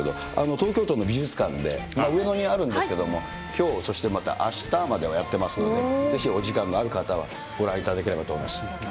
東京都の美術館で、上野にあるんですけれども、きょう、そしてまたあしたまではやってますので、ぜひお時間のあるかたはご覧いただければと思います。